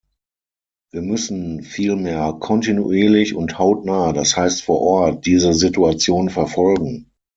Wir müssen vielmehr kontinuierlich und hautnah, das heißt vor Ort, diese Situation verfolgen.